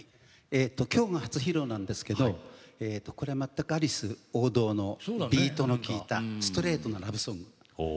きょうが初披露なんですけどこれは、まったくアリス王道のビートの利いたストレートなラブソング。